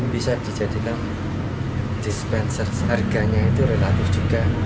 bisa dijadikan dispenser harganya itu relatif juga